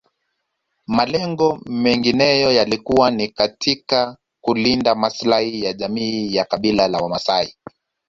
Malengo mengineyo yalikuwa ni katika kulinda maslahi ya jamii ya kabila la Wamaasai